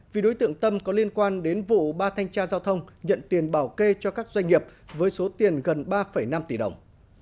vì đối tượng tâm có liên quan đến vụ ba thanh tra giao thông nhận tiền bảo kê cho các doanh nghiệp với số tiền gần ba năm tỷ đồng